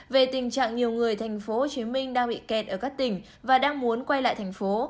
về tình trạng nhiều người tp hcm đang bị kẹt ở các tỉnh và đang muốn quay lại thành phố